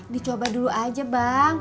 dicoba dulu aja bang